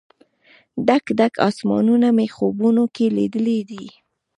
ډک، ډک اسمانونه مې خوبونو کې لیدلې دي